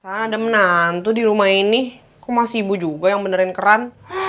soalnya ada menantu di rumah ini kok masih ibu juga yang benerin keren